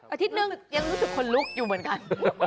อาทิตย์หนึ่งยังรู้สึกขนลุกอยู่เหมือนกัน